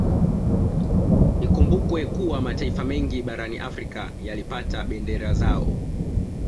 Ikumbukwe kuwa mataifa mengi barani Afrika yalipata bendera zao